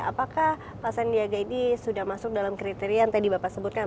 apakah pak sandiaga ini sudah masuk dalam kriteria yang tadi bapak sebutkan